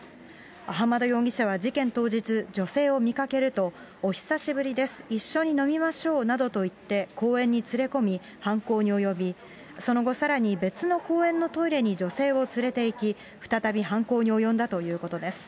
アハマド容疑者は事件当日、女性を見かけると、お久しぶりです、一緒に飲みましょうなどと言って公園に連れ込み、犯行に及び、その後、さらに別の公園のトイレに女性を連れていき、再び犯行に及んだということです。